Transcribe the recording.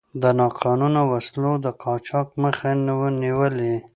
د ناقانونه وسلو د قاچاق مخه نیولې.